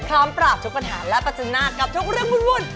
พร้อมปราบทุกปัญหาและปัจจนาคกับทุกเรื่องวุ่น